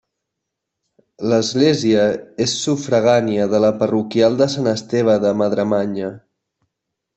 L'església és sufragània de la parroquial de Sant Esteve de Madremanya.